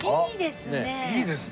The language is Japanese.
いいですね！